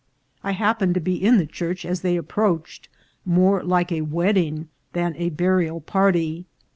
I happened to be in the church as they approached, more like a wedding than a burial party.